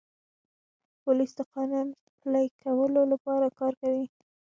پولیس د قانون پلي کولو لپاره کار کوي.